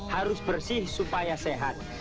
harus bersih supaya sehat